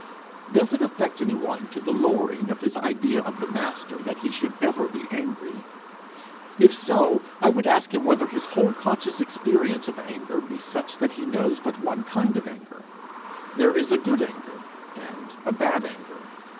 Does it affect anyone to the lowering of his idea of the Master that he should ever be angry? If so, I would ask him whether his whole conscious experience of anger be such, that he knows but one kind of anger. There is a good anger and a bad anger.